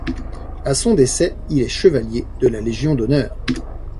A son décès, il est chevalier de la Légion d'honneur.